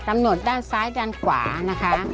หนดด้านซ้ายด้านขวานะคะ